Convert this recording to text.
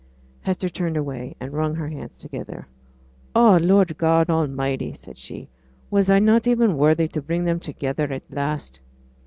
Hester turned away, and wrung her hands together. 'Oh, Lord God Almighty!' said she, 'was I not even worthy to bring them together at last?'